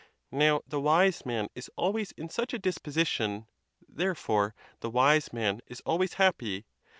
Now, the wise man is always in such a disposition; therefore the wise man is always happy.